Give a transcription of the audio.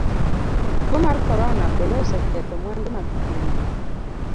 Tuo mar corona bende oseketho mwandu mag pinywa.